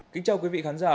kính chào quý vị khán giả